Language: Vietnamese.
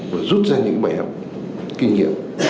và rút ra những bài học kinh nghiệm